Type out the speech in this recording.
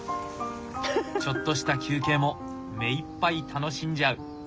ちょっとした休憩も目いっぱい楽しんじゃう。